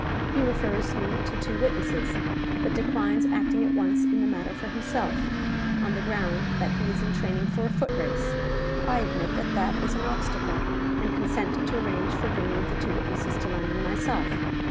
He refers me to two witnesses; but declines acting at once in the matter for himself, on the ground that he is in training for a foot race. I admit that that is an obstacle, and consent to arrange for bringing the two witnesses to London myself.